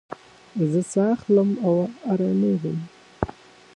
زه ساه اخلم او ارامېږم.